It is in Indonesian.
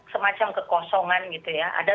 semacam kekosongan gitu ya ada